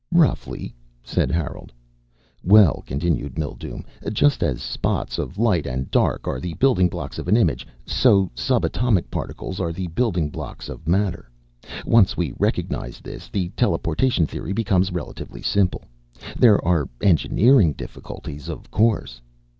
"Roughly," said Harold. "Well," continued Mildume, "just as spots of light and dark are the building blocks of an image, so sub atomic particles are the building blocks of matter. Once we recognize this the teleportation theory becomes relatively simple. There are engineering difficulties, of course.